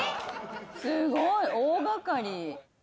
すごい大がかり。